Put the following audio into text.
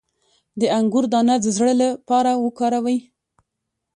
د انګور دانه د زړه لپاره وکاروئ